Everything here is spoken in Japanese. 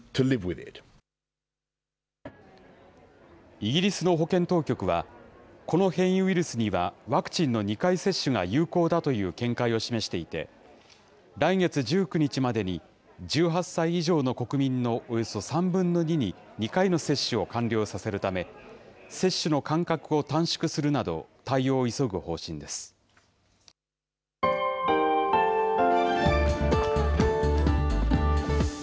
イギリスの保健当局は、この変異ウイルスにはワクチンの２回接種が有効だという見解を示していて、来月１９日までに１８歳以上の国民のおよそ３分の２に２回の接種を完了させるため、接種の間隔を短縮するなど、対応を急ぐ方針です。